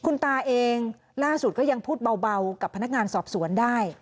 คุณตาเองล่าสุดก็ยังพูดเบากับพนักงานสอบสวนได้